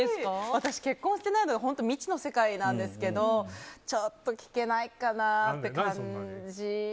私、結婚してないので未知の世界なんですけどちょっと聞けないかなって感じ。